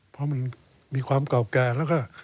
เพราะมันมีความเก่าแก่แล้วก็